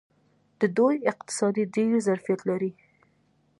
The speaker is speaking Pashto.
د دوی اقتصاد ډیر ظرفیت لري.